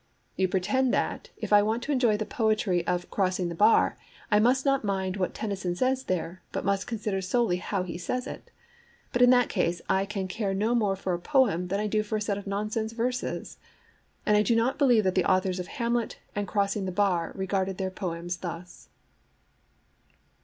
You pretend that, if I want to enjoy the poetry of Crossing the Bar, I must not mind what Tennyson says there, but must consider solely how he[Pg 12] says it. But in that case I can care no more for a poem than I do for a set of nonsense verses; and I do not believe that the authors of Hamlet and Crossing the Bar regarded their poems thus.'